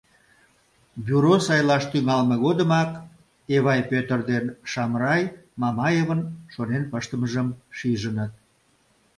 Бюро сайлаш тӱҥалме годымак Эвай Пӧтыр ден Шамрай Мамаевын шонен пыштымыжым шижыныт.